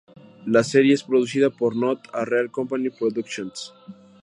La serie es producida por Not a Real Company Productions.